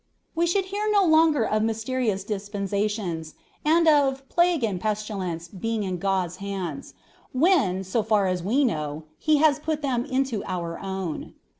We should hear no longer of 'Mysterious Dispensations' and of 'Plague and Pestilence' being in 'God's hands,' when, so far as we know, He has put them into our own."